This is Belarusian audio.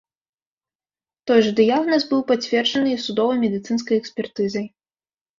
Той жа дыягназ быў пацверджаны і судова-медыцынскай экспертызай.